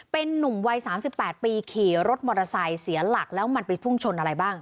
เป็นนุ่มวัย๓๘ปีขี่รถมอเตอร์ไซค์เสียหลักแล้วมันไปพุ่งชนอะไรบ้าง